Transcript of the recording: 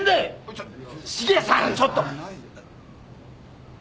ちょっと。